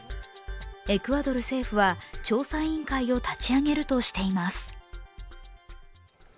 エクアドル政府は調査委員会を立ち上げるとしています。